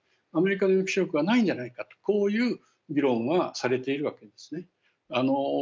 アメリカの抑止力はないんじゃないかとこういう議論がされているわけですね。